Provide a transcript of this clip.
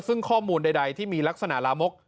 ซึ่งข้อมูลใดที่มีลักษณะลามก